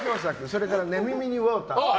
それから寝耳にウォーター。